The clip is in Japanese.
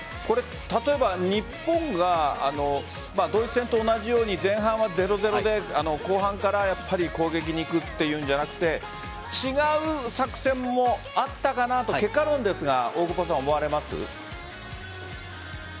例えば日本がドイツ戦と同じように前半は０‐０で後半から攻撃に行くというのではなくて違う作戦もあったかなと結果論ですが大久保さん、思われます？